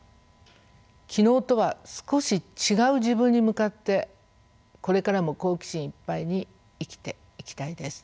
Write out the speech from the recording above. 昨日とは少し違う自分に向かってこれからも好奇心いっぱいに生きていきたいです。